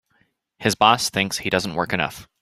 His boss thinks he doesn't work enough.